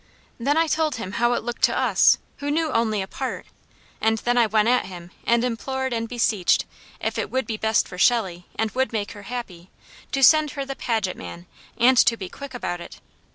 Then I told Him how it looked to us, who knew only a part; and then I went at Him and implored and beseeched, if it would be best for Shelley, and would make her happy, to send her the Paget man, and to be quick about it.